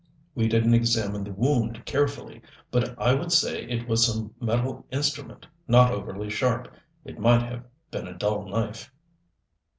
We didn't examine the wound carefully, but I would say it was some metal instrument, not overly sharp. It might have been a dull knife."